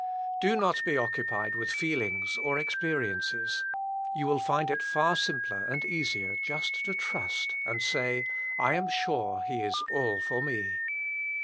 Do not be occupied with feelings or experiences. You will find it far simpler and easier just to trust and say, I am sure He is all for me.